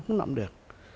không làm được